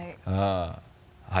はい。